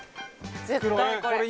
絶対これ。